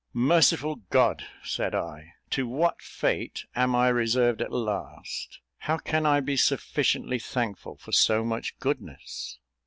"Merciful God!" said I, "to what fate am I reserved at last? How can I be sufficiently thankful for so much goodness?"